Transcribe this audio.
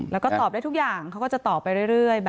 แล้วก็ตอบได้ทุกอย่างเขาก็จะตอบไปเรื่อย